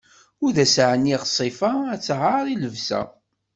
Ur d as-ɛniɣ ssifa, ad taɛer i lebsa.